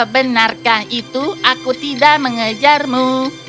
benarkah itu aku tidak mengejarmu